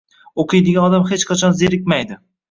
O‘qiydigan odam hech qachon zerikmaydi